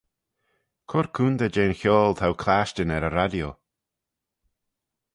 Cur coontey jeh'n chiaull t'ou clashtyn er y radio.